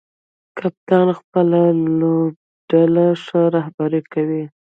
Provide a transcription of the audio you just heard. کپتان خپله لوبډله ښه رهبري کوي.